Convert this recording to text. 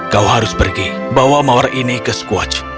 kau harus pergi bawa mawar ini ke squatch